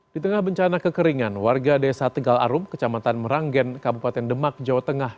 di tengah bencana kekeringan warga desa tegal arum kecamatan meranggen kabupaten demak jawa tengah